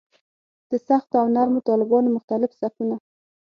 د سختو او نرمو طالبانو مختلف صفونه.